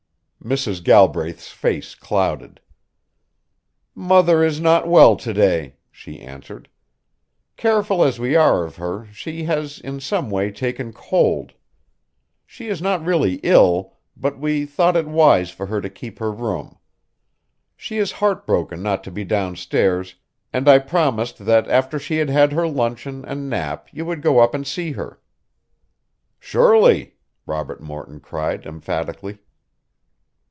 Mrs. Galbraith's face clouded. "Mother is not well to day," she answered. "Careful as we are of her she has in some way taken cold. She is not really ill, but we thought it wise for her to keep her room. She is heartbroken not to be downstairs and I promised that after she had had her luncheon and nap you would go up and see her." "Surely!" Robert Morton cried emphatically.